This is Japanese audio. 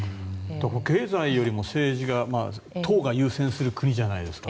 経済よりも政治が党が優先する国じゃないですか。